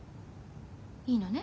いいのね？